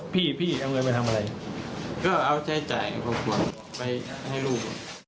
ไปให้ลูก